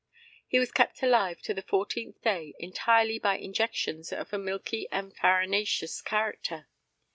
He was kept alive to the fourteenth day entirely by injections of a milky and farinaceous character.